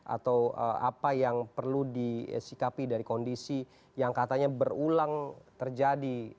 atau apa yang perlu disikapi dari kondisi yang katanya berulang terjadi